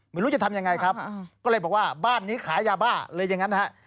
ไม่รู้จะทำยังไงครับก็เลยบอกว่าบ้านนี้ขายยาบ้าเลยอย่างนั้นฮะ